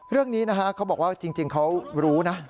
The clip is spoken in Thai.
เรื่องนี้นะฮะเขาบอกว่าจริงเขารู้นะ